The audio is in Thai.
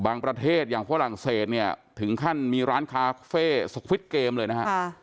ประเทศอย่างฝรั่งเศสเนี่ยถึงขั้นมีร้านคาเฟ่สวิตเกมเลยนะฮะ